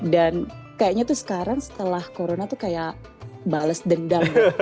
dan kayaknya itu sekarang setelah corona itu kayak bales dendam